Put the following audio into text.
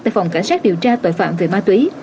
tại phòng cảnh sát điều tra tội phạm về ma túy